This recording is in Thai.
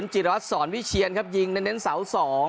จิรวัตรสอนวิเชียนครับยิงเน้นเสา๒